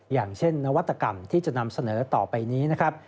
อย่างเช่นนวัตกรรมที่จะนำเสนอต่อไปนี้นะครับ